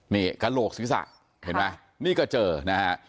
นี่กระโหลกศีรษะเห็นไหมนี่ก็เจอนะฮะ